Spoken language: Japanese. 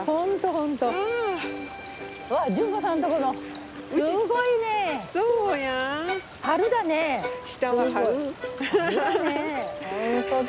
本当だ。